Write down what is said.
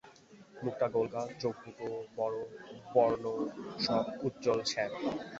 মুখটি গোলগাল, চোখ দুটি বড়ো, বর্ণ উজ্জ্বল শ্যাম।